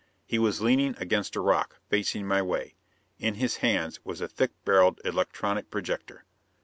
He was leaning against a rock, facing my way. In his hands was a thick barreled electronic projector.